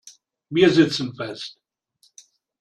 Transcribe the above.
Wir sitzen fest.